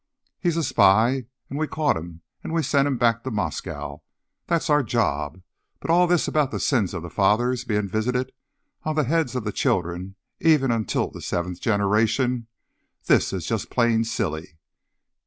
He's a spy, and we caught him and we sent him back to Moscow. That's our job. But all this about the sins of the fathers being visited on the heads of the children, even unto the seventh generation—this is just plain silly.